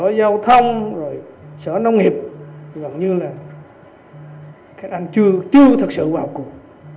sở giao thông rồi sở nông nghiệp gần như là các ngành chưa thật sự vào cuộc